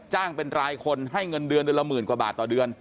เป็นรายคนให้เงินเดือนเดือนละหมื่นกว่าบาทต่อเดือน